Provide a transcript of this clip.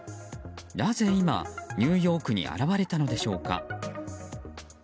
なぜ今、ニューヨークに現れたのでしょうか。